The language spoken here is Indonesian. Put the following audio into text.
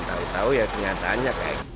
tahu tahu ya kenyataannya